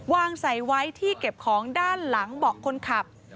วางใส่ไว้ที่เก็บของด้านหลังเบาะคนขับ